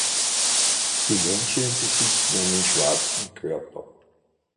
Die Männchen besitzen einen schwarzen Körper.